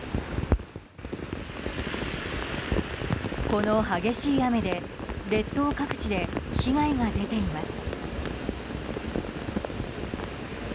この激しい雨で列島各地で被害が出ています。